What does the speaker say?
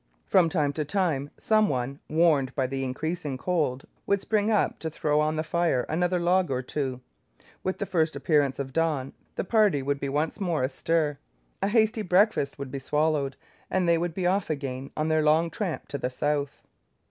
From time to time some one, warned by the increasing cold, would spring up to throw on the fire another log or two. With the first appearance of dawn, the party would be once more astir; a hasty breakfast would be swallowed, and they would be off again on their long tramp to the south.